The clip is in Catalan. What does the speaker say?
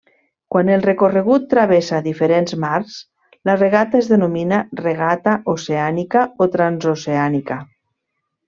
Quan el recorregut travessa diferents mars, la regata es denomina regata oceànica o transoceànica.